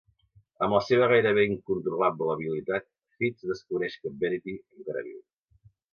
Amb la seva gairebé incontrolable habilitat, Fitz descobreix que Verity encara viu.